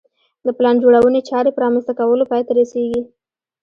د پلان جوړونې چارې په رامنځته کولو پای ته رسېږي